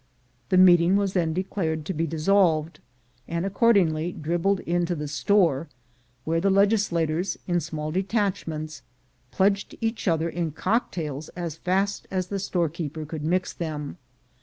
The meeting was then declared to be dissolved, and accordingly dribbled into the store, where the legislators, in small detachments, pledged each other in cocktails as fast as the store keeper could mix them.